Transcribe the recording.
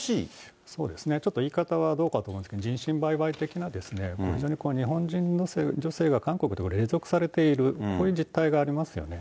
ちょっと言い方はどうかと思うんですけど、人身売買的な、非常に日本人女性が韓国で隷属されている、こういう実態がありますよね。